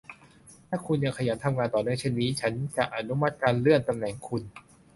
ถ้าคุณยังขยันทำงานต่อเนื่องเช่นนี้ ฉันจะอนุมัติการเลื่อนตำแหน่งคุณ